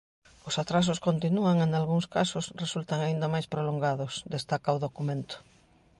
Os atrasos continúan e nalgúns casos resultan aínda máis prolongados, destaca o documento.